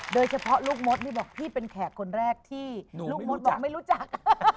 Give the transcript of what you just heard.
โดยเฉพาะลูกมดนี่บอกพี่เป็นแขกคนแรกที่ลูกมดบอกไม่รู้จัก